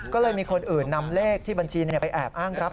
ก็เลยมีคนอื่นนำเลขที่บัญชีไปแอบอ้างรับ